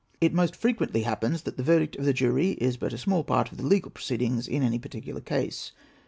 It most frequently happens that the verdict of the jury is but a small part of the legal proceedings in any particular case.